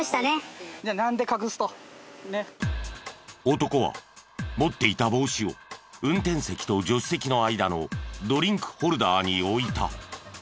男は持っていた帽子を運転席と助手席の間のドリンクホルダーに置いた。